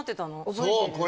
覚えてる？